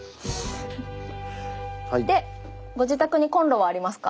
ご自宅にコンロはありますか？